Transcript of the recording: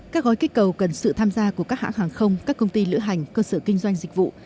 các gói kích cầu cần sự tham gia của các hãng hàng không các công ty lữ hành cơ sở kinh doanh dịch vụ